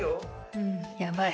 うんやばい。